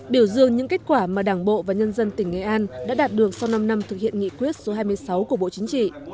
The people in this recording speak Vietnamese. biểu dương những kết quả mà đảng bộ và nhân dân tỉnh nghệ an đã đạt được sau năm năm thực hiện nghị quyết số hai mươi sáu của bộ chính trị